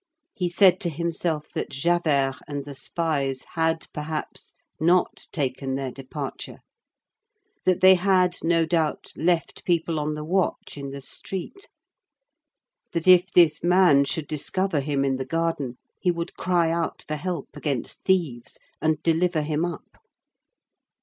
He said to himself that Javert and the spies had, perhaps, not taken their departure; that they had, no doubt, left people on the watch in the street; that if this man should discover him in the garden, he would cry out for help against thieves and deliver him up.